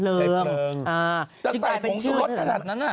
ลองใส่พงท์ฉุกลดขนาดนั้นนั่นอ่ะ